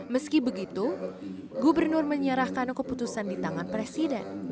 meski begitu gubernur menyerahkan keputusan di tangan presiden